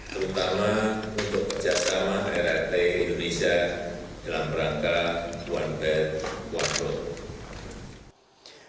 terutama untuk kerjasama rrt indonesia dalam rangka one belt one road